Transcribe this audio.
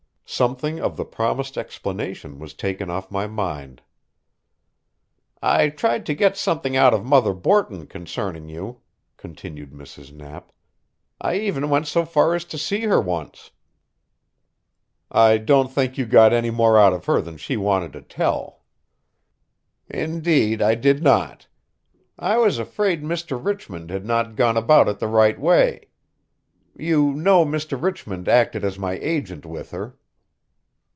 Something of the promised explanation was taken off my mind. "I tried to get something out of Mother Borton concerning you," continued Mrs. Knapp. "I even went so far as to see her once." "I don't think you got any more out of her than she wanted to tell." "Indeed I did not. I was afraid Mr. Richmond had not gone about it the right way. You know Mr. Richmond acted as my agent with her?"